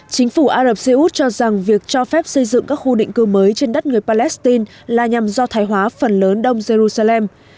chính phủ ả rập xê út cho rằng việc cho phép xây dựng các khu định cư mới trên đất người palestine là nhằm giao thái hóa phần lớn đông giê ru sa lem